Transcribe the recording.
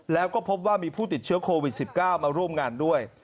แล้วก็พบว่ามีผู้ติดเชื้อโควิด๑๙มาร่วมงานด้วย